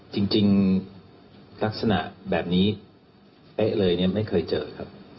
จริงลักษณะแบบนี้เป๊ะเลยเนี่ยไม่เคยเจอครับ